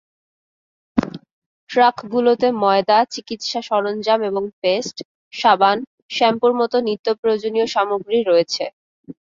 ট্রাকগুলোতে ময়দা, চিকিৎসা সরঞ্জাম এবং পেস্ট, সাবান, শ্যাম্পুর মতো নিত্যপ্রয়োজনীয় সামগ্রী রয়েছে।